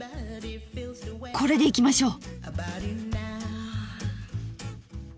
これでいきましょう。